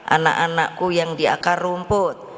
anak anakku yang di akar rumput